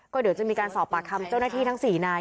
ก็เดี๋ยวจะมีการสอบปากคำเจ้าหน้าที่ทั้ง๔นาย